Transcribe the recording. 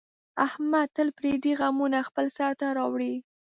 احمد تل پردي غمونه خپل سر ته راوړي.